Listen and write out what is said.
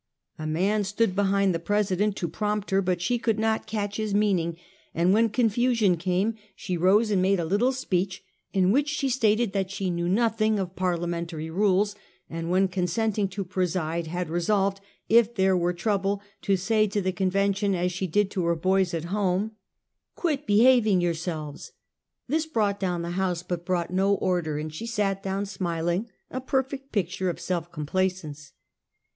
A man stood behind the president to prompt her, ])ut she could not catch his meaning, and when confu sion came, she rose and made a little speech, in which she stated that she knew nothing of parliamentary rules, and when consenting to preside had resolved, if there were trouble, to say to the convention as she did to her boys at home: "Woman's Eights Conventions. 143 "Quit behaving yourselves!" This brought down the house, but brought no order, and. she sat down, smiling, a jDerfect picture of self complaisance.